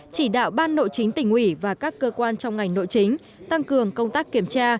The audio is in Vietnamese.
chỉ đạo ban nội chính tỉnh ủy và các cơ quan trong ngành nội chính tăng cường công tác kiểm tra